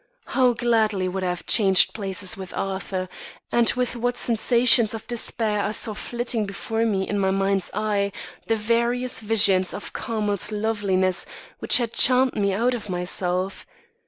How gladly would I have changed places with Arthur, and with what sensations of despair I saw flitting before me in my mind's eye, the various visions of Carmel's loveliness which had charmed me out of myself.